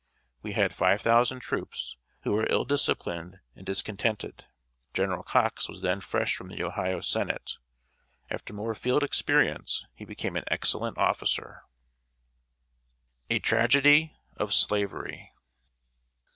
We had five thousand troops, who were ill disciplined and discontented. General Cox was then fresh from the Ohio Senate. After more field experience, he became an excellent officer. [Sidenote: A TRAGEDY OF SLAVERY.